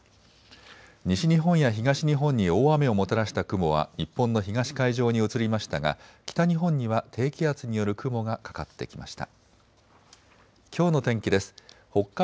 西日本や東日本に大雨をもたらした雲は日本の東海上に移りましたが北日本には低気圧による雲がかかってきました。